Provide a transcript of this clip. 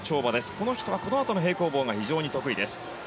この人はこのあとの平行棒が非常に得意です。